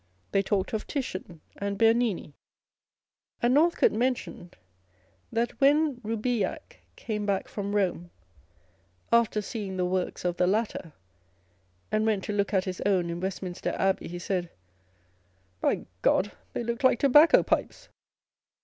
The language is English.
They talked of Titian and Bernini ; and Northcote mentioned, that when Eoubilliac came back from Borne, after seeing the works of the latter, and went to look at his own in Westminster Abbey, he said â€" " By G â€" d, they looked like tobacco pipes